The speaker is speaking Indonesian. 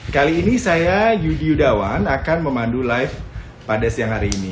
kali ini saya yudi yudawan akan memandu live pada siang hari ini